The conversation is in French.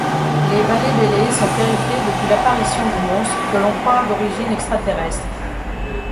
Les Balébélés sont terrifiés depuis l'apparition du monstre que l'on croit d'origine extraterrestre.